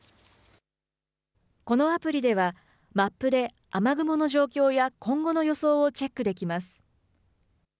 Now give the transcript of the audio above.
このアプリではマップで雨雲の状況や今後の予想をチェックできます。